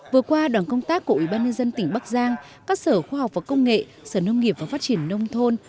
vừa qua đoàn công tác của ủy ban nhân dân tỉnh bắc giang các sở khoa học và công nghệ sở nông nghiệp và phát triển nông thôn